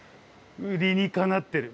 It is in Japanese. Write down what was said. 理にかなってる。